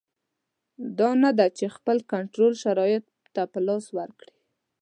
نه دا چې خپل کنټرول شرایطو ته په لاس ورکړي.